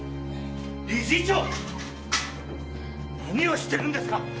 何をしてるんですか！？